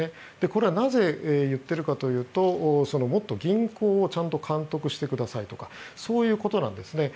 これはなぜ言ってるかというともっと銀行をちゃんと監督してくださいとかそういうことなんですね。